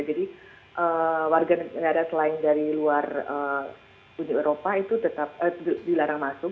jadi warga negara selain dari luar dunia eropa itu tetap dilarang masuk